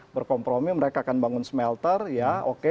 berkompromi mereka akan bangun smelter ya oke